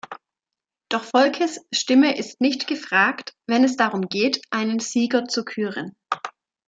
Doch Volkes Stimme ist nicht gefragt, wenn es darum geht, einen Sieger zu küren.